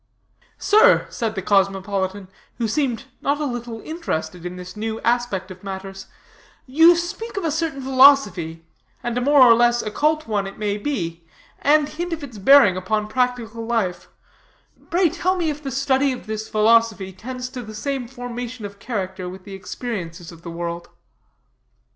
"Sir," said the cosmopolitan, who seemed not a little interested in this new aspect of matters, "you speak of a certain philosophy, and a more or less occult one it may be, and hint of its bearing upon practical life; pray, tell me, if the study of this philosophy tends to the same formation of character with the experiences of the world?"